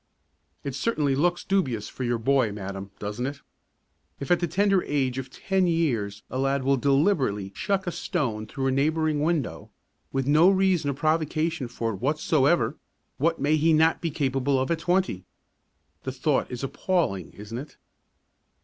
It certainly looks dubious for your boy, madam, doesn't it? If at the tender age of ten years a lad will deliberately "chuck" a stone through a neighbouring window, with no reason or provocation for it whatsoever, what may he not be capable of at twenty? The thought is appalling, isn't it?